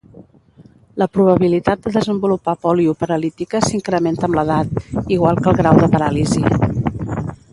La probabilitat de desenvolupar pòlio paralítica s'incrementa amb l'edat, igual que el grau de paràlisi.